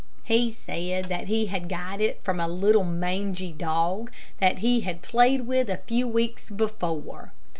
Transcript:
He said that he had got it from a little, mangy dog, that he had played with a few weeks before.